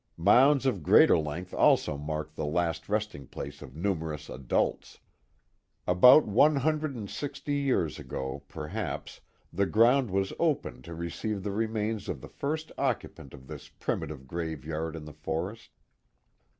Mounds of greater length also marked the last resting place of numerous adults. About one hundred and sixty years ago, perhaps, the ground was opened to receive the remains of the first occupant of this primitive graveyard in the forest.